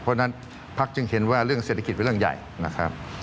เพราะฉะนั้นพักจึงเห็นว่าเรื่องเศรษฐกิจเป็นเรื่องใหญ่นะครับ